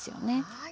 はい。